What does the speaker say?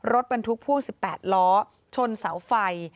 รถบรรทุกพ่วง๑๘ล้อชนเสาไฟ